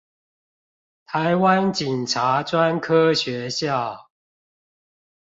臺灣警察專科學校